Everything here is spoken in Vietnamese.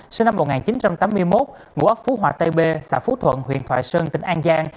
sau năm một nghìn chín trăm tám mươi một ngũ ốc phú hòa tây b xã phú thuận huyện thoại sơn tỉnh an giang